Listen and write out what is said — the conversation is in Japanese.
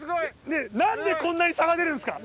ねぇ何でこんなに差が出るんですか？